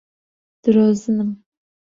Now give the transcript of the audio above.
درۆزنم.